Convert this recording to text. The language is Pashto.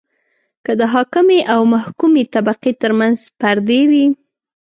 که د حاکمې او محکومې طبقې ترمنځ پردې وي.